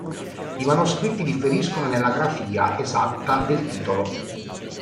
I manoscritti differiscono nella grafia esatta del titolo.